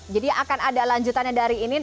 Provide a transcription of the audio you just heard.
jadi akan ada lanjutannya dari ini